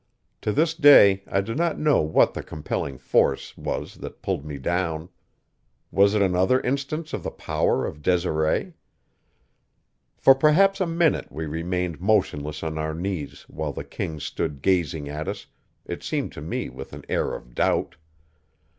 To this day I do not know what the compelling force was that pulled me down. Was it another instance of the power of Desiree? For perhaps a minute we remained motionless on our knees while the king stood gazing at us, it seemed to me with an air of doubt.